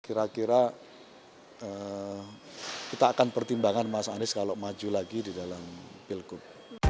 kira kira kita akan pertimbangkan mas anies kalau maju lagi di dalam pilgub